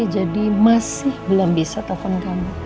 jadi masih belum bisa telepon kamu